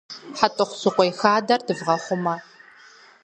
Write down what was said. ХьэтӀохъущыкъуей хадэр дывгъэхъумэ!